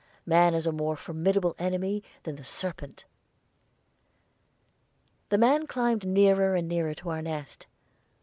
Man is a more formidable enemy than the serpent." The man climbed nearer and nearer to our nest.